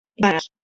Johan Granados